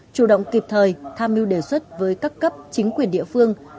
chủ động kịp thời tham mưu đề xuất với các cấp chính quyền địa phương